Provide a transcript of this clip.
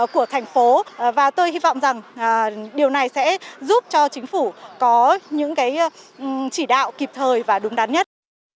của thành phố và tôi hy vọng rằng điều này sẽ giúp cho chính phủ có những chỉ đạo kịp thời và đúng đắn nhất